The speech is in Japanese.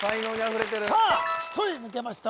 さあ１人抜けました